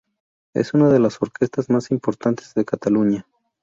Es una de las orquestas más importantes de Cataluña.